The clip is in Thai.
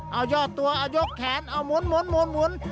เอายอดตัวเอายกแขนเอาหมุน